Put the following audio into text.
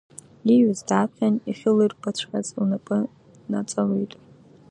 Ииҩыз дааԥхьан, иахьылирбаҵәҟьаз лнапы наҵалҩит.